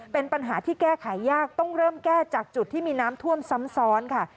เป็นปัญหาที่แก้ไขยากต้องเริ่มแก้จากจุดที่มีน้ำท่วมซ้ำซ้อนค่ะ